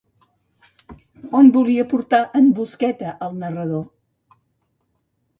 On volia portar en Busqueta al narrador?